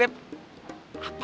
apaan sih bebep